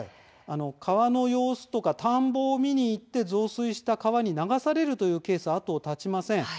川の様子や田んぼを見に行って増水した川に流されるケースが後を絶ちません。